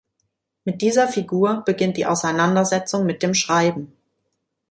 Mit dieser Figur beginnt die Auseinandersetzung mit dem Schreiben.